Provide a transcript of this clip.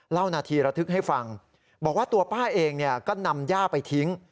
เล่านาทีระทึกให้ฟังบอกว่าตัวป้าเองก็นำย่าไปทิ้ง